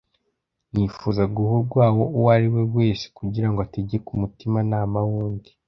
ntifuza guha urwaho uwo ariwe wese kugira ngo ategeke umutimanama w’undi.